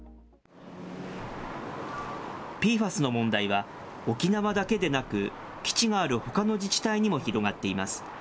ＰＦＡＳの問題は、沖縄だけでなく、基地があるほかの自治体にも広がっています。